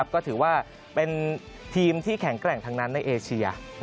ก็ถือว่าเป็นทีมที่แข็งแกร่งทั้งนั้นในเอเชีย